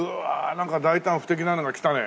なんか大胆不敵なのが来たね。